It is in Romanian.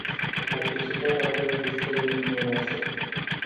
Participarea a fost destul de numeroasă.